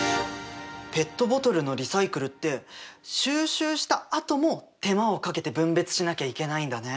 ペットボトルのリサイクルって収集したあとも手間をかけて分別しなきゃいけないんだね。